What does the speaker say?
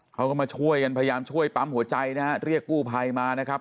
เขาก็มาช่วยกันพยายามช่วยปั๊มหัวใจนะฮะเรียกกู้ภัยมานะครับ